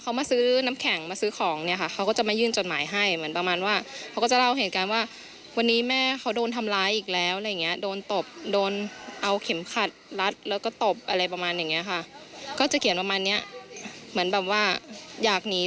เขาก็บอกว่ากลัวโดนฆ่ากลัวโดนทำร้ายอะไรอย่างนี้